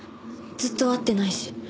ずっと会ってないし。